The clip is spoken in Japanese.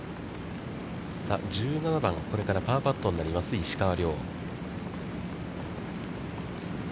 さあ、１７番、これからパーパットになります石川遼。